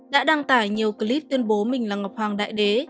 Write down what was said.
đã đăng tải nhiều clip tuyên bố mình là ngọc hoàng đại đế